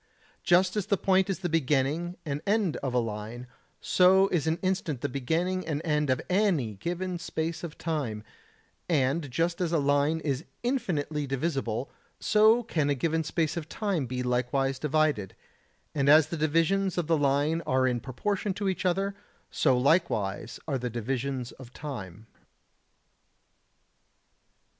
Just as the point is the beginning and end of a line, so is an instant the beginning and end of any given space of time; and just as a line is infinitely divisible, so can a given space of time be likewise divided, and as the divisions of the line are in proportion to each other, so likewise are the divisions of time.